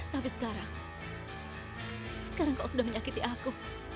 tapi sekarang sekarang kau sudah menyakiti aku